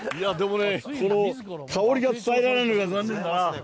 この香りが伝えられないのは残念だな。